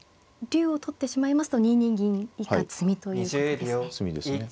竜を取ってしまいますと２二銀以下詰みということですね。